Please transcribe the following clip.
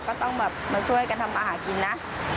ก็ต้องแบบมาช่วยกันทำมาหากินนะ